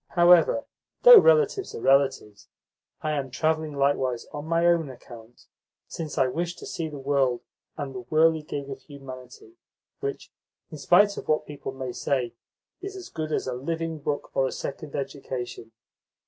However, though relatives are relatives, I am travelling likewise on my own account, since I wish to see the world and the whirligig of humanity which, in spite of what people may say, is as good as a living book or a second education."